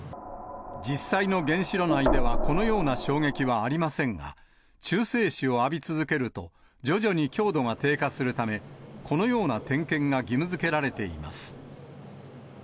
実際の原子炉内では、このような衝撃はありませんが、中性子を浴び続けると、徐々に強度が低下するため、このような点検が義務づけられています。